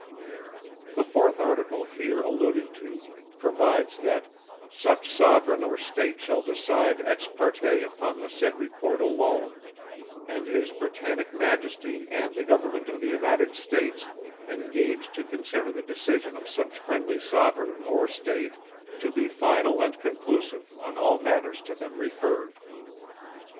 The fourth article here alluded to provides that "such sovereign or state shall decide ex parte upon the said report alone, and His Britannic Majesty and the Government of the United States engage to consider the decision of such friendly sovereign or state to be final and conclusive on all matters to them referred."